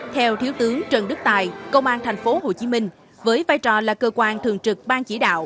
theo thiếu tướng trần đức tài công an tp hcm với vai trò là cơ quan thường trực ban chỉ đạo